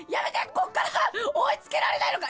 こっから追い付けられないのか？